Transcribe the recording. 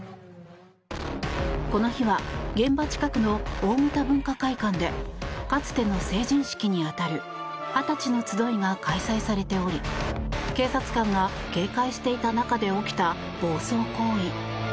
この日は現場近くの大牟田文化会館でかつての成人式に当たるはたちの集いが開催されており警察官が警戒していた中で起きた暴走行為。